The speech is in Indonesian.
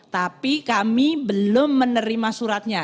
tapi kami belum menerima suratnya